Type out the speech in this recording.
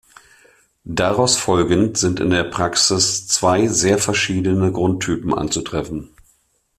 Daraus folgend sind in der Praxis zwei sehr verschiedene Grundtypen anzutreffen.